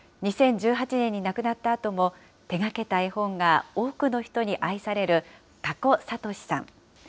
２０１８年に亡くなったあとも、手がけた絵本が多くの人に愛される、かこさとしさん。